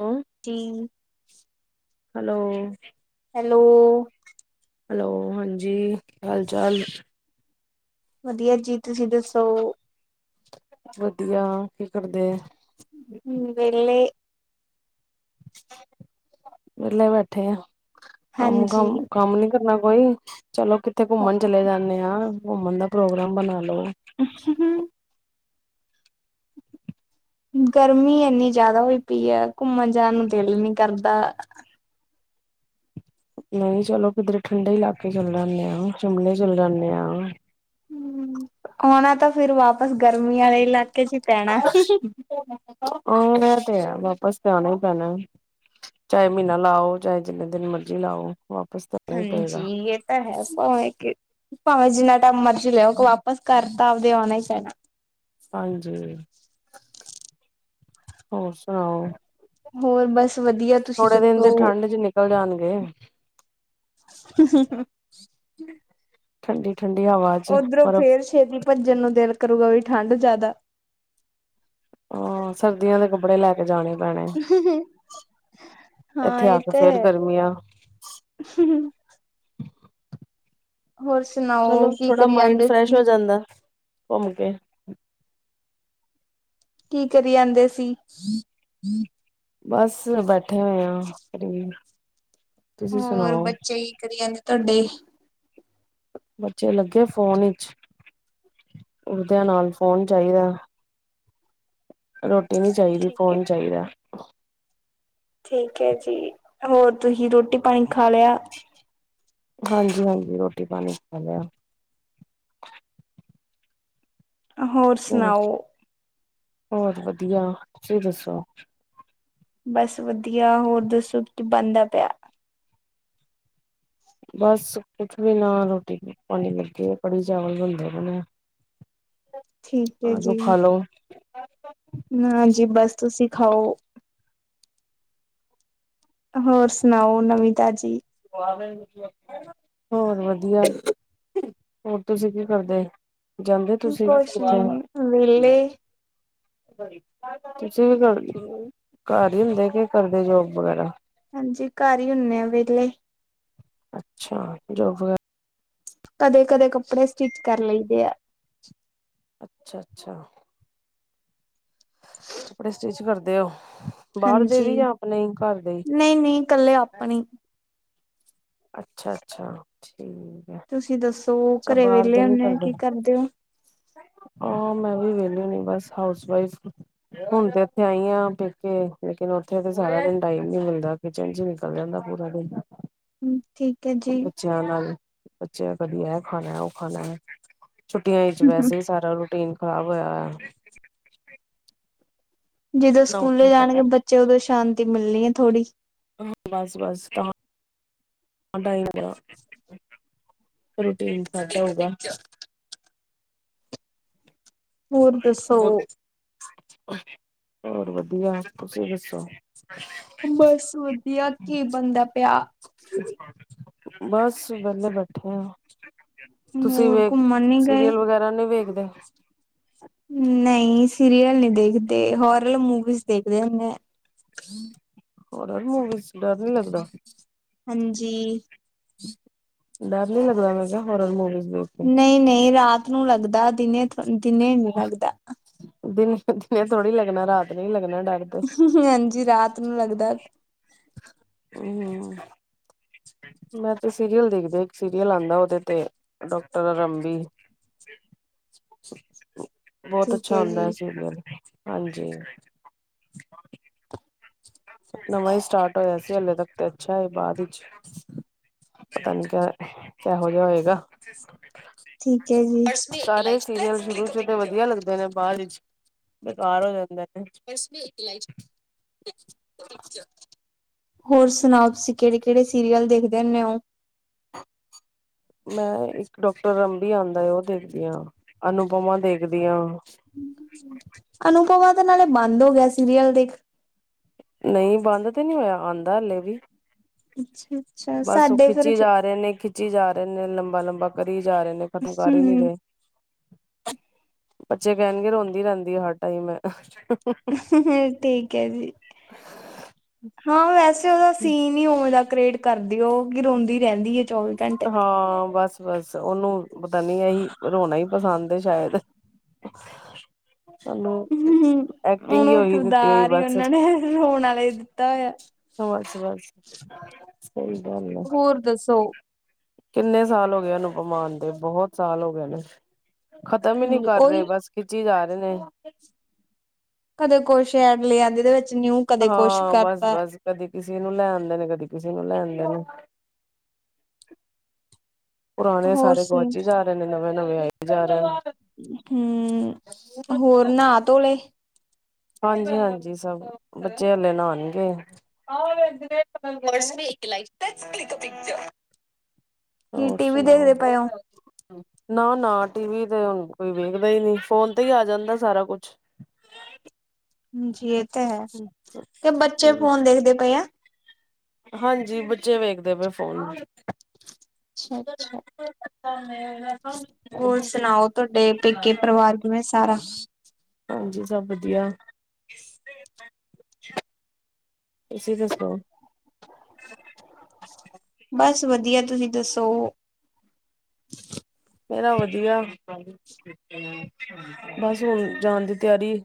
Hello, ਚੀਨ, hello, hello, hello ਹਾਂਜੀ ਕੀ ਹਾਲ-ਚਾਲ? ਵਧੀਆ ਜੀ, ਤੁਸੀਂ ਦੱਸੋ? ਵਧੀਆ ਕੀ ਕਰਦੇ। ਵਹਿਲੇ, ਵਿਹਲੇ ਬੈਠੇ ਆ। ਕੰਮ ਹਾਂਜੀ ਕੰਮ ਕੰਮ ਨੀ, ਕਰਨਾ ਕੋਈ, ਚਲੋ ਕਿੱਥੇ ਘੁੰਮਣ ਚਲੇ ਜਾਂਨੇ ਆ। ਘੁੰਮਣ ਦਾ ਪ੍ਰੋਗਰਾਮ ਬਣਾ ਲੋ। ਅੱਛਾ, ਗਰਮੀ ਇਨੀ ਜ਼ਿਆਦਾ ਹੋਈ ਪਈ ਹੈ ਘੁੰਮਣ ਜਾਣ ਨੂੰ ਦਿਲ ਨੀ ਕਰਦਾ। ਨਹੀਂ ਚਲੋ ਕਿੱਧਰ ਠੰਡੇ ਇਲਾਕੇ ਚੱਲ ਜਾਂਨੇ ਆ ਸ਼ਿਮਲੇ ਚੱਲ ਜਾਂਨੇ ਆ। ਹੂੰ ਆਣਾ ਤਾਂ ਫਿਰ ਵਾਪਿਸ ਗਰਮੀ ਵਾਲੇ ਇਲਾਕੇ ਚ ਹੀ ਪੈਣਾ। ਔ ਤੇ ਐ। ਵਾਪਿਸ ਤ ਆਉਣਾ ਹੀ ਪੈਣਾ ਚਾਹੇ ਮਹੀਨਾ ਲਾਓ, ਚਾਹੇ ਜਿੰਨੇ ਦਿਨ ਮਰਜੀ ਲਾਓ। ਵਾਪਸ ਤਾਂ ਆਣਾ ਹੀ ਪਏਗਾ ਹਾਂਜੀ ਇਹ ਤਾਂ ਹੈ ਤਾਂ ਹੈ ਕਿ, ਭਾਵੇਂ ਜਿੰਨਾ ਟਾਈਮ ਮਰਜ਼ੀ ਲੈ ਆਓ ਕਿ ਵਾਪਿਸ ਘਰ ਤਾ ਆਪਣਾ ਆਉਣਾ ਹੀ ਪੈਣਾ ਹਾਂਜੀ, ਹੋਰ ਸੁਣਾਓ? ਹੋਰ ਬਸ ਵਧੀਆ ਤੁਸੀਂ ਥੋੜੇ ਦਿਨ ਦੱਸੋ? ਤੇ ਠੰਡ ਚ ਨਿਕਲ ਜਾਣਗੇ। ਤੇ, [unintelligible] ਹੂੰ, ਠੰਡੀ ਠੰਡੀ ਹਵਾ ਚ ਉਓਧਰੋਂ ਬਰਫ਼ ਫੇਰ ਛੇਤੀ ਭੱਜਣ ਨੂੰ ਦਿਲ ਕਰੂਗਾ ਵੀ ਠੰਢ ਜ਼ਿਆਦਾ। ਹਾਂ ਸਰਦੀਆਂ ਦੇ ਕੱਪੜੇ ਲੈ ਕੇ ਜਾਣੇ ਪੈਣੇ ਹਾਂ ਇੱਥੇ ਆ ਆਏ ਕੇ ਤੇ ਫੇਰ ਹੈ। ਗਰਮੀਆਂ ਹੋਰ ਸੁਣਾਓ ਚਲੋ ਕੀ ਥੋੜ੍ਹਾ ਕਰੀ ਮਾਇੰਡ ਜਾਂਦੇ ਫਰੈਸ਼ ਸੀ ਹੋ ਜਾਂਦਾ। ਘੁੰਮ ਕੇ। ਕੀ ਕਰੀ ਜਾਂਦੇ ਸੀ। ਬੱਸ ਬਟ ਥੇ ਹੋਇਆ । ਹੋਰ ਬੱਚੇ ਹੀ ਕ ਜਾਂਦੇ ਤੁਹਾਡੇ। ਬੱਚੇ ਲੱਗੇ ਫੋਨ ਵਿਚ ਉਦਿਆਂ ਨਾਲ ਫੋਨ ਚਾਹੀਦਾ। ਰੋਟੀ ਨਹੀਂ ਚਾਹੀਦੀ ਠੀਕ ਹੈ ਫੋਨ ਚਾਹੀਦਾ। [unintelligible] ਠੀਕ ਹੈ ਜੀ ਹੋਰ ਤੁਸੀਂ ਰੋਟੀ ਪਾਣੀ ਖਾ ਲਿਆ। ਹਾਂਜੀ, ਹਾਂਜੀ। ਰੋਟੀ ਪਾਣੀ ਖ ਲਿਆ। ਹੋਰ ਸੁਣਾਓ। ਹੋਰ ਵਧੀਆ ਤੁਸੀਂ ਦੱਸੋ। ਬਸ ਵਧੀਆ ਹੋਰ ਦੱਸੋ ਬਣਦਾ ਪਿਆ। ਬਸ ਕੁਛ ਵੀ ਨਾ ਰੋਟੀ ਪਾਣੀ ਲੱਗੇ ਕੜੀ ਚਾਵਲ ਬਣਦੇ ਬਣਾ ਠੀਕ ਹੈ ਜੀ ਹਾਂਜੀ ਬਸ ਤੁਸੀਂ ਖਾਓ। ਹੋਰ ਸੁਣਾਓ ਨਵੀਂ ਤਾ ਜੀ। ਹੋਰ ਵਧੀਆ ਹੋਰ ਤੁਸੀਂ ਕੀ ਕਰਦੇ ਜਾਂਦੇ ਤੁਸੀਂ ਕੋਛ ਕਿੱਥੇ ਨਹੀ ਵਲੇੇ। ਤੁਸੀਂ ਵੀ ਕਰ ਘਰ ਹੀ ਹੁੰਦੇ ਕਿ ਕਰਦੇ ਜੋਗ ਵਗੈਰਾ। ਹਾਂਜੀ ।ਘਰ ਹੀ ਹੁੰਦੇ ਆ ਵਿਹਲੇ। ਅੱਛਾ ਜੋਬ ਵੈ। ਕਦੇ ਕਦੇ ਕੱਪੜੇ ਸਟਿਚ ਕਰ ਲਦੇ ਆ। ਅੱਛਾ, ਅੱਛਾ। ਕੱਪੜੇ ਸਟਿਚ ਕਰਦੇ। ਦਿਓ। ਹਾਂਜੀ ਨਹੀਂ ਨਹੀਂ ਇਕੱਲੇ ਆਪਣੀ ਅੱਛਾ, ਅੱਛਾ। ਠੀਕ ਹੈ ਤੁਸੀਂ ਦੱਸੋ ਅੱਛਾ ਘਰੇ ਵੇਹਲੇ ਹੁੰਦੇ ਹੋ ਕੀ ਕਰਦੇ ਹੋ। ਆਹ ਮੈਂ ਵੀ ਵਿਹਲੀ ਹੁੰਣੀ ਬਸ ਹਾਊਸ ਵਫ ਹੁਣ ਤੇ ਇਥੇ ਆਈ ਹ ਪੇਕੇ ਲੇ ਉਥੇ ਸਾਰਾ ਦਿਨ ਟਮ ਨ ਮਿਲਦਾ ਕਿਚਨ ਚ ਨਿਕਲ ਜਾਂਦਾ ਪੂਰਾ ਦਿਨ। ਹਮ ਠੀਕ ਹੈ ਜੀ। ਬੱਚਿਆਂ ਦਾ ਕਦੀ ਇਹ ਖਾਣਾ ਉਹ ਖਾਣਾ ਹੈ। ਛੁੱਟੀਆਂ ਵਿਚ ਵੈਸੇ ਸਾਰਾ ਰੂਟੀਨ [unintelligible] ਖਰਾਬ ਹੋਇਆ ਜਦੋਂ ਨਾ ਸਕੂਲੇ ਉੱਠਣ ਦਾ ਜਾਣਗੇ ਟਾਈਮ ਬੱਚੇ, ਉਦੋਂ ਸ਼ਾਂਤੀ ਮਿਲਣੀ ਹੈ ਥੋੜ੍ਹੀ। ਸਾਡਾ [unintelligible] ਸਾਡਾ ਹੋਗਾ। ਹੋਰ ਦੱਸੋ? ਹੋਰ ਵਧੀਆ, ਤੁਸੀਂ ਦੱਸੋ? ਬਸ ਵਧੀਆ, ਕੀ ਬਣਦਾ ਪਿਆ? [inaudible] ਬਸ ਵੇਲੇ ਬੈਠੇ ਆ। ਤੁਸੀਂ ਮੁਰ ਵੇਖ ਘੁੰਮਣ ਨਹੀਂ ਗਏ? ਸੀਰੀਅਲ ਵਗੈਰਾ ਨਹੀਂ ਵੇਖਦੇ ਨਹੀਂ। ਸੀਰੀਅਲ ਨੀ ਦੇਖਦੇ, ਹੋਰਲ ਮੂਵੀਜ਼ ਦੇਖਦੇ ਹੁੰਦੇ। ਹੋਰ ਮੂਵੀਜ। ਡਰ ਨੀ ਲੱਗਦਾ? ਹਾਂਜੀ। ਡਰ ਨੀ ਲੱਗਦਾ, ਮੈਂ ਕਿਹਾ ਹੋਰ ਮੂਵੀ ਨਹੀਂ-ਨਹੀਂ, ਰਾਤ [unintelligible] ਲੱਗਦਾ। ਦਿਨੇ, ਦਿਨੇ ਨੀ ਲੱਗਦਾ। ਦਿਨੇ-ਦਿਨੇ ਥੋੜ੍ਹੀ ਲੱਗਣਾ, ਰਾਤ ਨੂੰ ਹੀ ਲੱਗਣਾ। ਡਰ ਤੇ ਹਾਂਜੀ ਰਾਤ ਨੂੰ ਲੱਗਦਾ। ਹੂੰ-ਹੂੰ। ਮੈਂ ਤੇ ਸੀਰੀਅਲ ਦੇਖਦੇ, ਇੱਕ ਸੀਰੀਅਲ ਉਹਦੇ ਤੇ ਡਾਕਟਰ ਰੰਬੀ। ਬਹੁਤ ਠੀਕ ਅੱਛਾ ਹੁੰਦਾ ਹੈ ਜੀ ਸੀਰੀਅਲ। ਹਾਂਜੀ। ਨਵਾਂ ਹੀ ਸਟਾਰਟ ਹੋਇਆ ਸੀ ਹਲੇ ਤੱਕ ਤੇ ਅੱਛਾ ਹੈ, ਬਾਅਦ ਵਿਚ ਪਤਾ ਨੀ ਕਿਹੋ ਜਿਹਾ ਹੋਏਗਾ? ਠੀਕ ਹੈ ਜੀ। [unintelligible] ਸੀਰੀਅਲ ਸ਼ੁਰੂ ਵਿੱਚ ਤੇ ਵਧੀਆ ਲੱਗਦੇ ਨੇ ਬਾਅਦ ਵਿਚ, ਬੇਕਾਰ ਹੋ ਜਾਂਦੇ ਨੇ। ਅੱਛਾ, ਹੋਰ ਸੁਣਾਓ ਤੁਸੀਂ ਕਿਹੜੇ-ਕਿਹੜੇ ਸੀਰੀਅਲ ਦੇਖਦੇ ਹੁੰਦੇ ਹੋ? ਮੈਂ ਇੱਕ ਡਾਕਟਰ ਰੱਬੀ ਆਦਾ ਉਹ ਦੇਖਦੀ ਐ, ਅਨੂਪਮਾ ਦੇਖਦੀ ਹਾਂ। ਅਨੂਪਮਾ ਦੇ ਨਾਲੇ ਬੰਦ ਹੋ ਗਿਆ ਸੀਰੀਅਲ ਦੇਖ ਨਹੀਂ ਬੰਦ ਤੇ ਨਹੀਂ ਹੋਇਆ, ਆਦਾ ਹਾਲੇ ਵੀ। ਅੱਛਾ, ਅੱਛਾ ਬਸ ਉਹ ਸਾਡੇ ਫਿਰ ਖਿੱਚੀ ਜਾ ਰਹੇ ਨੇ, ਖਿੱਚੀ ਜਾ ਰਹੇ ਨੇ, ਲੰਬਾ-ਲੰਬਾ। [unintelligible] ਸਹੀ ਜਾ ਰਹੇ ਨੇ ਖਤਮ ਕਰ ਹੀ ਨਹੀਂ ਹਮ ਰਹੇ। ਬੱਚੇ ਕਹਿਣਗੇ ਰੋਂਦੀ ਰਹਿੰਦੀ ਹਰ ਟਾਈਮ ਐ ਤਾ, ਹੁ ਠੀਕ ਹੈ ਜੀ ਹਾਂ ਵੈਸੇ ਉਹਦਾ ਸੀਨ ਹੀ ਹੋਦਾ ਕਰੇਟ ਕਰਦੇ ਓ ਰੋਂਂਦੀ ਰਹਿੰਦੀ ਹੈ। ਚੌਵੀ ਘੰਟੇ ਹਾਂ ਬਸ ਬਸ ਤਾਂ ਉਹਨੂੰ ਪਤਾ ਨੀ ਅਸੀ ਰੋਣਾ ਹੀ ਪਸੰਦ ਹੈ। ਸ਼ਾਇਦ ਚਲੋ ਹੂੰ, ਐਕਟਿੰਗ ਹੀ ਉਹਨੂੰ ਹੀ ਦਿੱਤੀ ਈ ਕਿਰਦਾਰ ਹੀ ਬਸ ਉਹਨਾਂ ਨੇ ਰੋਣ ਵਾਲੇ ਦਿੱਤਾ ਹੋਇਆ ਸਹੀ ਗੱਲ ਆ ਹੋਰ ਦੱਸੋ ਕਿੰਨੇ ਸਾਲ ਹੋ ਗਏ ਉਹਨੂੰ ਦੇ ਬਹੁਤ ਸਾਲ ਹੋ ਗਏ ਨੇ। ਖਤਮ ਹੀ ਨਹੀਂ ਹਾਂਜੀ ਕਰ ਰਹੇ ਉਹੀ ਬਸ ਖਿਚੀ ਜਾ ਆ ਰਹੀ ਕਦੇ ਕੁਛ ਐਡ ਲਿਆਂਦੀ ਦੇ ਵਿੱਚ ਨਿਊ ਕਦੇ ਕੁਛ ਹਾਂ ਬਸ ਕਰਤਾ ਬਸ ਕਦੇ ਕਿਸੇ ਨੂੰ ਲੈਣ ਦੇ ਨੇ ਕਦੀ ਕਿਸੇ ਨੂੰ ਲੈਣ ਦੇ ਨੇ ਪੁਰਾਣੇ ਹੋਰ ਸਾਰੇ ਸੁਣ ਗੁਆਝੀ ਜਾ ਰਹੇ ਨੇ ਨਵੇਂ ਆਈ ਜਾ ਰਹੇ ਨੇ ਹਮ ਹੋਰ ਨਹਾ ਤੋ ਲੇ ਹਾਂਜੀ ਹਾਂਜੀ ਸਭ ਬੱਚੇ ਹਲੇ ਨਉਣਗੇ ਕੀ ਟੀ ਵੀ ਦੇਖਦੇ ਪਏ ਹੋ। ਨਾ ਨਾ ਟੀਵੀ ਤੇ ਹੁਣ ਕੋਈ ਵੇਖਦਾ ਹੀ ਨਹੀਂ ਫੋਨ ਤੇ ਹੀ ਆ ਜਾਂਦਾ ਸਾਰਾ ਕੁਛ ਹਾਜੀ ਤੇ ਹੈ ਤੇ ਬੱਚੇ ਫੋਨ ਦੇਖਦੇ ਪਏ ਆ ਹਾਂਜੀ ਬੱਚੇ ਵੇਖਦੇ ਪਏ ਫੋਨ ਅੱਛਾ! ਅੱਛਾ ਹੋਰ ਸੁਣਾਓ ਤੁਹਾਡੇ ਪੇਕੇ ਪਰਿਵਾਰ ਕਿਵੇਂ ਸਾਰਾ ਹਾਂਜੀ ਸਭ ਵਧੀਆ ਤੁਸੀਂ ਦੱਸੋ? ਬਸ ਵਧੀਆ ਤੁਸੀਂ ਦੱਸੋ। ਮੇਰਾ ਵਧੀਆ ਬਸ ਹੁਣ ਜਾਣ ਦੀ ਤਿਆਰੀ।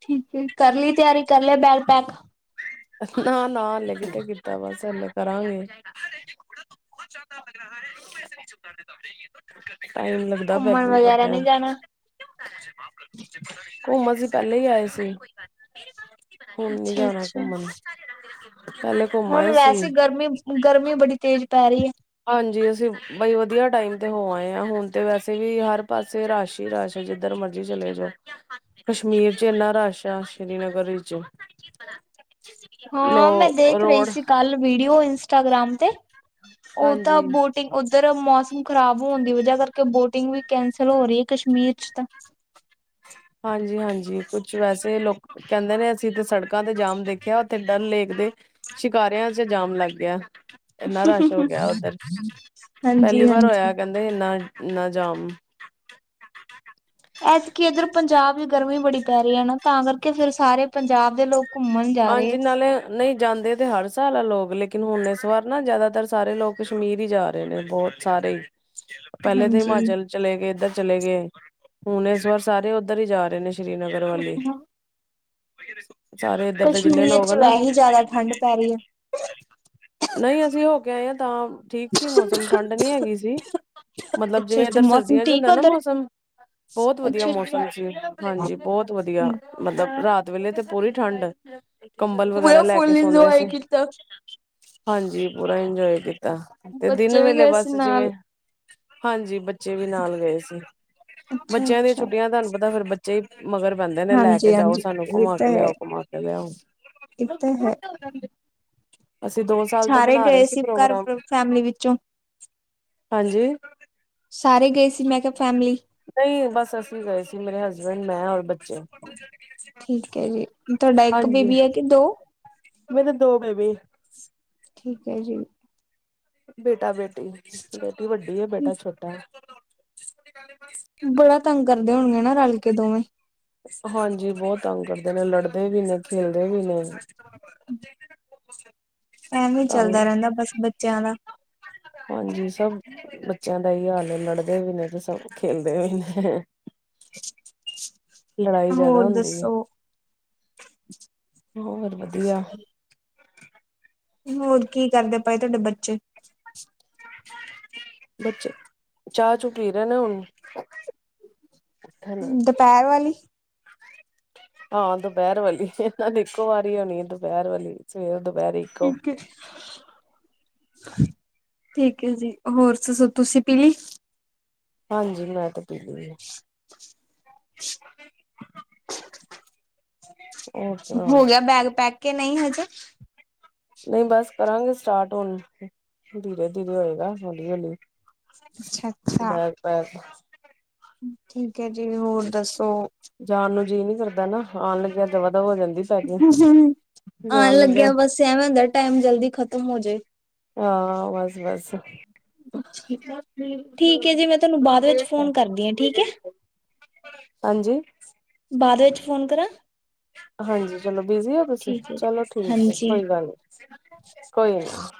ਠੀਕ ਕਰ ਲਈ ਤਿਆਰੀ ਕਰ ਬੈਗ ਪੈਕ ਨਾ ਨਾ ਹਲੇੇ ਕਿਥੇ ਕੀਤਾ ਬਸ ਹ ਨੇ ਕਰਾਂਗੇ ਓਕੇ ਟਾਈਮ ਲੱਗਦਾ ਘੁੰਮਣ ਪੈਕਿੰਗ ਵਗੈਰਾ ਕਰਦਿਆਂ, ਨਹੀਂ ਜਾਣਾ? ਘੁੰਮਣ ਅ ਪਹਿਲੇ ਹੀ ਆਏ ਸੀ। ਹੁਣ ਨੀ ਜਾਣਾ ਅੱਛਾ-ਅੱਛਾ। ਘੁੰਮਣ ਪਹਿਲੇ ਘੁੰਮ ਹੁਣ ਆਏ ਸੀ ਵੈਸੇ ਗਰਮੀ-ਗਰਮੀ ਬੜੀ, ਤੇਜ਼ ਪੈ ਰਹੀ ਹੈ। ਹਾਂਜੀ, ਅਸੀਂ ਬਾਈ ਵਧੀਆ ਟਾਈਮ ਤੇ ਹੋ ਆਏ ਆ ਹੁਣ ਤੇ ਵੈਸੇ ਵੀ ਹਰ ਪਾਸੇ ਰਸ਼ ਹੀ ਰਸ਼ ਆ ਜਿੱਧਰ ਮਰਜੀ ਚਲੇ ਜਾਓ ਕਸ਼ਮੀਰ ਚ ਇਏਨਾ ਰਸ਼ ਆ ਸ਼੍ਰੀਨਗਰ ਵਿਚ ਹਾਂ ਮੈਂ ਦੇਖ ਰਹੀ ਸੀ ਕੱਲ ਵੀਡੀਓ ਇੰਸਟਾਗ੍ਰਾਮ ਤੇ ਉਹ ਤਾਂ ਹਾਂਜੀ ਬੋਟਿੰਗ ਉੱਧਰ ਮੌਸ ਮੌਸਮ ਖ਼ਰਾਬ ਹੋਣ ਦੀ ਵਜ੍ਹਾ ਕਰਕੇ ਬੋਟਿੰਗ ਵੀ ਕੈਂਸਲ ਹੋ ਰਹੀ ਕਸ਼ਮੀਰ ਚ ਤਾਂ ਹਾਂਜੀ-ਹਾਂਜੀ ਕੁਛ ਵੈਸੇ ਲੋਕ ਕਹਿੰਦੇ ਨੇ ਅਸੀਂ ਤੇ ਸੜਕਾਂ ਤੇ ਜਾਮ ਦੇਖਿਆ ਉੱਥੇ ਡਲ ਲੇਕ ਦੇ ਸ਼ਿਕਾਰਿਆਂ ਚ ਜਾਮ ਲੱਗ ਗਿਆ। ਇੰਨਾ ਰਸ਼ ਹੋ ਗਿਆ ਉੱਧਰ ਪਹਿਲੀ ਵਾਰ ਹੋਇਆ ਹਾਂਜੀ-ਹਾਂਜੀ। ਕਹਿੰਦੇ ਇੰਨਾ ਨਾ ਜਾਮ ਐਤਕੀ ਇੱਧਰ ਪੰਜਾਬ ਵਿੱਚ ਗਰਮੀ ਬੜੀ ਪੈ ਰਹੀ ਹੈ ਨਾ ਤਾਂ ਕਰਕੇ ਫਿਰ ਸਾਰੇ ਪੰਜਾਬ ਦੇ ਲੋਕ ਘੁੰਮਣ ਜਾ ਹਾਂਜੀ ਰਹੇ। ਨਾਲੇ ਨਹੀਂ ਜਾਂਦੇ ਤੇ ਹਰ ਵਾਲਾ ਲੋਕ ਲੇਕਿਨ ਹੁਣ ਇਸ ਵਾਰ ਨਾ ਜ਼ਿਆਦਾਤਰ ਸਾਰੇ ਲੋਕ ਕਸ਼ਮੀਰ ਹੀ ਜਾ ਰਹੇ ਨੇ ਬਹੁਤ ਸਾਰੇ ਹੀ ਪਹਿਲੇ ਤੇ ਹਾਂਜੀ। ਹਿਮਾਚਲ ਚਲੇ ਗਏ ਇੱਧਰ ਚਲੇ ਗਏ ਹੁਣ ਇਸ ਵਾਰ ਸਾਰੇ ਉੱਧਰ ਹੀ ਜਾ ਰਹੇ ਨੇ, ਸ਼੍ਰੀਨਗਰ ਵਾਲੇ [unintelligible] ਕਸ਼ਮੀਰ ਚ ਵੈਹੀ ਜ਼ਿਆਦਾ ਠੰਢ ਪੈ ਰਹੀ ਹੈ। ਨਹੀਂ ਅਸੀਂ ਹੋ ਕੇ ਆਏ ਐ ਤਾਂ ਠੀਕ ਸੀ ਮੌਸਮ ਠੰਡ ਨੀ ਹੈਗੀ ਸੀ ਮਤਲਬ ਅੱਛਾ ਜਿਵੇਂ ਅੱਛਾ ਇਧਰ ਮੌਸਮ ਸਰਦੀਆਂ ਚ ਠੀਕ ਹੁੰਦਾ ਹੈ ਨਾ ਉੱਧਰ ਮੌਸਮ ਬਹੁਤ ਵਧੀਆ ਅੱਛਾ ਅੱਛਾ ਮੌਸਮ ਸੀ ਹਾਂਜੀ ਬਹੁਤ ਵਧੀਆ ਮਤਲਬ ਰਾਤ ਵੇਲੇ ਤੇ ਪੂਰੀ ਠੰਡ ਕੰਬਲ ਵਗੈਰਾ ਪੁਰਾ ਲੈ ਕੇ ਫੁਲ ਸੌਂਦੇ ਇਨਜੋਏ ਸੀ ਕੀਤਾ। ਹਾਂਜੀ ਪੂਰਾ ਇੰਜੋਏ ਕੀਤਾ। ਤੇ ਦਿਨ ਬੱਚੇ ਵੀ ਵੇਲੇ ਗਏ ਸੀ ਬਸ ਜਿਵੇਂ, ਨਾਲ। ਹਾਂਜੀ ਬੱਚੇ, ਬੱਚੇ ਵੀ ਨਾਲ ਗਏ ਸੀ ਅੱਛਾ ਬੱਚਿਆਂ ਦੀਆਂ ਅੱਛਾ ਛੁੱਟੀਆਂ ਤੁਹਾਨੂੰ ਪਤਾ ਫੇਰ ਚ, ਮਗਰ ਬੰਦੇ ਨੇ ਲੈ ਕੇ ਹਾਂਜੀ ਜਾਓ ਹਾਂਜੀ ਸਾਨੂੰ ਇਹ ਘੁਮਾ ਤਾਂ ਕੇ ਹੈ ਲਿਆਓ ਘੁਮਾ ਕੇ ਲਿਆਓ। ਇਹ ਤਾਂ ਹੈ ਅਸੀਂ ਦੋ ਸਾਲ ਤੋਂ ਸਾਰੇ ਬਣਾ ਰਹੇ ਗਏ ਸੀ ਘਰ ਪ੍ਰੋਗਰਾਮ ਫੈਮਲੀ ਵਿੱਚੋਂ ਹਾਂਜੀ, ਸਾਰੇ ਗਏ ਸੀ ਮੈਂ ਕਿਹਾ ਫੈਮਿਲੀ ਨਹੀਂ ਬਸ ਅਸੀਂ ਗਏ ਸੀ ਮੇਰੇ ਹੱਸ ਡ ਮੈ ਔਰ ਬੱਚੇ, ਠੀਕ ਹੈ ਜੀ ਤੁਹਾਡਾ ਇੱਕ ਹਾਂਜੀ ਬੇਬੀ ਹੈ ਕਿ ਦੋ? ਮੇਰੇ ਦੋ ਬੇਬੀ ਠੀਕ ਹੈ ਜੀ ਬੇਟਾ ਬੇਟੀ ਬੇਟੀ ਵੱਡੀ ਹੈ ਬੇਟਾ ਛੋਟਾ ਜਿਸ ਨੂੰ ਬੜਾ ਤੰਗ ਕਰਦੇ ਹੋਣਗੇ ਨਾ ਰਲ ਕੇ ਦੋਵੇਂ ਹਾਂਜੀ ਬਹੁਤ ਤੰਗ ਕਰਦੇ ਨੇ ਲੜਦੇ ਵੀ ਨੇ ਖੇਲਦੇ ਵੀ ਨੇ ਹਮ [unintelligible] ਛ [unintelligible] ਐਵੇ ਹੀ ਚੱਲਦਾ ਰਹਿੰਦਾ ਬਸ ਬੱਚਿਆਂ ਦਾ ਹਾਂਜੀ ਸਭ ਬੱਚਿਆਂ ਦਾ ਹੀ ਹਾਲ ਲੜਦੇ ਵੀ ਨੇ ਤੇ ਸਭ ਖੇਲਦੇ ਵੀ ਨੇ ਲੜਾਈ ਜਿਆਦਾ ਹੋਰ ਹੁੰਦੀ ਹੈ ਦੱਸੋ ਹੋਰ ਵਧੀਆ ਵਧੀਆ ਹੋਰ ਕੀ ਕਰਦੇ ਪਏ ਤੁਹਾਡੇ ਬੱਚੇ ਬੱਚੇ ਚਾਹ ਚੂ ਪੀ ਰਹੇ ਨੇ ਹੁਣ ਦੁਪੱਹਿਰ ਵਾਲੀ ਹਾਂ ਦੁਪਹਿਰ ਵਾਲੀ ਇਹਨਾਂ ਦੀ ਇੱਕੋ ਵਾਰੀ ਹੋਣੀ ਦੁਪਹਿਰ ਵਾਲੀ ਸਵੇਰ ਦੁ ਵਰੇਕੋ ਠੀਕ ਹੈ [unintelligible] ਠੀਕ ਹੈ ਜੀ ਹੋਰ ਤੁਸੀਂ ਪੀਲੀ ਹਾਂਜੀ ਮੈਂ ਤੇ ਪੀਲੀ ਹੇ ਹੋ ਗਿਆ ਬੈਗ ਪੈਕ ਕਿ ਨਹੀਂ ਹਜੇ ਨਹੀਂ ਬਸ ਕਰਾਂਗੇ ਸਟਾਰਟ ਹੁਣ ਧੀਰੇ ਧੀਰੇ ਹੋਏਗਾ ਹੌਲੀ ਹੌਲੀ ਅੱਛਾ ਅੱਛਾ ਬੇਗ ਪੇਕ ਠੀਕ ਜੀ ਹੋਰ ਦੱਸੋ ਜੀ ਨੀ ਕਰਦਾ ਨਾ ਆਉਣ ਲੱਗਿਆ ਦਵ ਹੋ ਜਾਂਦੀ ਪੈਕਿੰਗ ਆਉਣ ਲੱਗਿਆ ਬਸ ਐਵੇਂ ਹੁੰਦਾ ਟਾਈਮ ਜਲਦੀ ਖਤਮ ਹੋ ਜੇ ਹਾਂ ਬਸ ਬਸ ਠੀਕ ਹੈ ਜੀ ਮੈਂ ਤੁਹਾਨੂੰ ਬਾਅਦ ਵਿੱਚ ਫੋਨ ਕਰਦੀ ਹਾਂ ਠੀਕ ਹੈ [unintelligible] ਹਾਂਜੀ ਬਾਅਦ ਵਿੱਚ ਫੋਨ ਕਰਾਂ ਹਾਂਜੀ ਚਲੋ ਬਿਜੀ ਹੋ ਤੁਸੀਂ ਠੀਕ ਹੈ ਜੀ ਚਲੋ ਠੀਕ ਹੈ ਹਾਂਜੀ ਕੋਈ ਗੱਲ ਨੀ ਕੋਈ ਨੀ